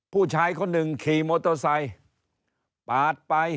ผู้ชายคนหนึ่งขี่มอเตอร์ไซค์ปาดไป